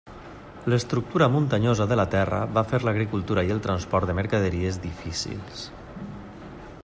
L'estructura muntanyosa de la terra va fer l'agricultura i el transport de mercaderies difícils.